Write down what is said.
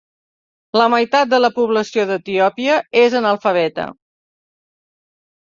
La meitat de la població d'Etiòpia és analfabeta.